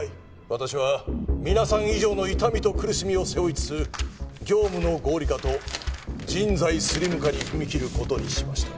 私は皆さん以上の痛みと苦しみを背負いつつ業務の合理化と人材スリム化に踏み切る事にしました。